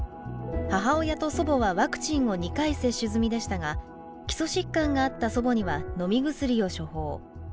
母親と祖母はワクチンを２回接種済みでしたが基礎疾患があった祖母には飲み薬を処方。